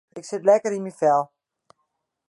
Ik sit lekker yn myn fel.